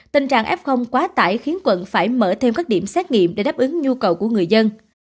tình trạng f quá tải khiến quận phải mở thêm các điểm xét nghiệm để đáp ứng nhu cầu của người dân